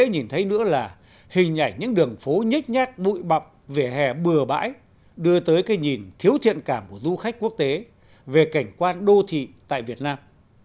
có thể nhìn thấy nữa là hình ảnh những đường phố nhít nhát bụi bập về hẻ bừa bãi đưa tới cái nhìn thiếu thiện cảm của du khách quốc tế về cảnh quan đô thị tại việt nam